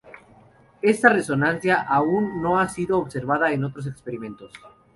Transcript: Esta resonancia aún no ha sido observada en otros experimentos.